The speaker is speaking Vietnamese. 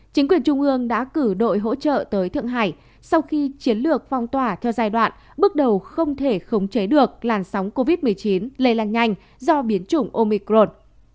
chính quyền trung ương đã cử đội hỗ trợ tới thượng hải sau khi chiến lược phong tỏa theo giai đoạn bước đầu không thể khống chế được làn sóng covid một mươi chín lây lan nhanh do biến chủng omicron